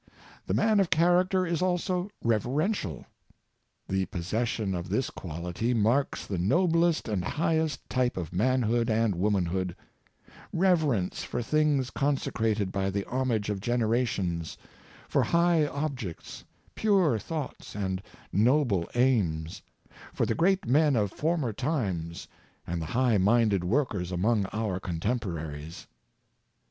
The man of character is also reverential. The pos session of this quality marks the noblest and highest type of manhood and womanhood ; reverence for things con secrated by the homage of generations — for high ob jects, pure thoughts, and noble aims — for the great men of former times, and the high minded workers among our contemporaries.